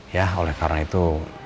ya oleh karena itu